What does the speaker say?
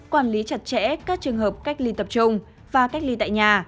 quản lý chặt chẽ các trường hợp cách ly tập trung và cách ly tại nhà